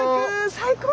最高！